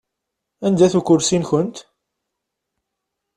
Anda-t ukursi-nkent?